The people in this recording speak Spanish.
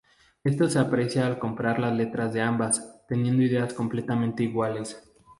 Esto se aprecia al comparar las letras de ambas, teniendo ideas completamente iguales.